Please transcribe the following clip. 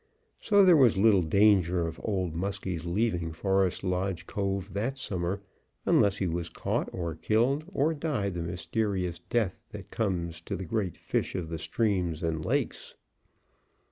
So there was little danger of Old Muskie's leaving Forest Lodge Cove that summer unless he was caught or killed or died the mysterious death that comes to the great fish of the streams and lakes.